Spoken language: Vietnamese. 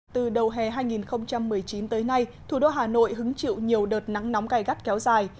từ đầu hè hai nghìn một mươi chín tới nay thủ đô hà nội hứng chịu nhiều đợt nắng nóng gai gắt kéo dài